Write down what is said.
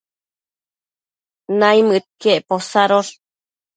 naimëdquiec posadosh